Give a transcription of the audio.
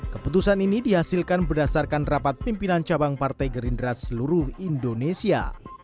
keputusan ini dihasilkan berdasarkan rapat pimpinan cabang partai gerindra seluruh indonesia